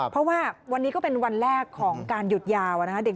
เพราะว่าวันนี้ก็เป็นวันแรกของการหยุดยาวนะครับ